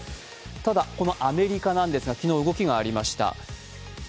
ただ、アメリカですが昨日、動きがありました。